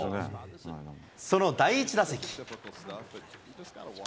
その第１打席。